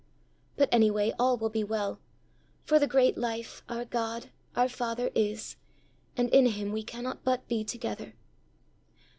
But any way all will be well, for the great life, our God, our father, is, and in him we cannot but be together."